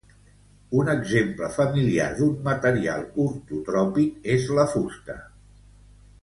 Un exemple familiar d'un material ortotròpic es la fusta.